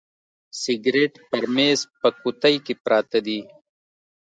سګرېټ پر میز په قوطۍ کي پراته دي.